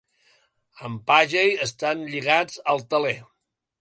Els "Pagey" estan lligats al teler.